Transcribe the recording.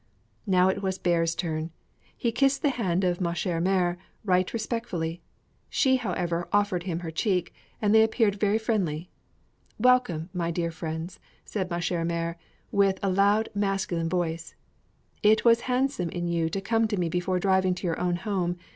Now it was Bear's turn; he kissed the hand of ma chère mère right respectfully; she however offered him her cheek, and they appeared very friendly. "Be welcome, my dear friends!" said ma chère mère, with a loud, masculine voice. "It was handsome in you to come to me before driving to your own home.